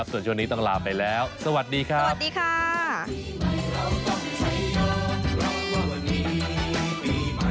ส่วนช่วงนี้ต้องลาไปแล้วสวัสดีครับ